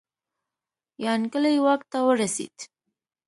یانګلي واک ته ورسېد.